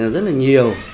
rất là nhiều